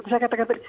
saya katakan tadi